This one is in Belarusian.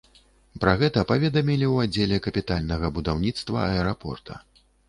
Пра гэта паведамілі ў аддзеле капітальнага будаўніцтва аэрапорта.